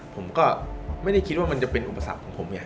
ผมก็ไม่ได้คิดว่ามันจะเป็นอุปสรรคของผมไง